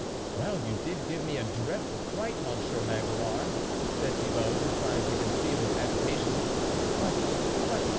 " Well, you did give me a dreadful fright, Monsieur Magloire," said Thibault, trying to conceal his agitation. But, but